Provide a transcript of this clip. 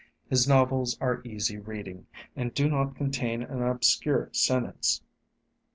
His novels are easy reading, and do not contain an obscure sentence.